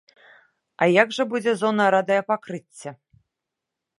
А як жа будзе зона радыёпакрыцця?